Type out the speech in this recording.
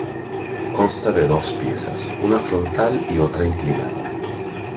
Consta de dos piezas, una frontal y otra inclinada.